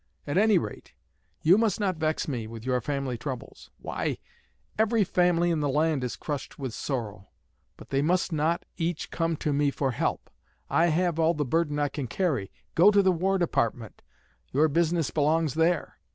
At any rate, you must not vex me with your family troubles. Why, every family in the land is crushed with sorrow; but they must not each come to me for help. I have all the burden I can carry. Go to the War Department. Your business belongs there.